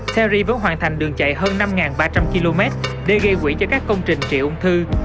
seri vẫn hoàn thành đường chạy hơn năm ba trăm linh km để gây quỹ cho các công trình trị ung thư